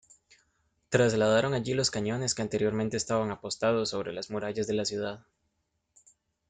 Trasladaron allí los cañones que anteriormente estaban apostados sobre las murallas de la ciudad.